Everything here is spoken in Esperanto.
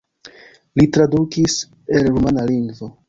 Li tradukis el rumana lingvo.